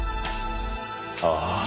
ああ。